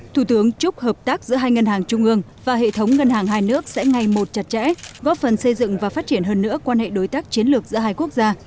thủ tướng chúc hợp tác giữa hai ngân hàng trung ương và hệ thống ngân hàng hai nước sẽ ngày một chặt chẽ góp phần xây dựng và phát triển hơn nữa quan hệ đối tác chiến lược giữa hai quốc gia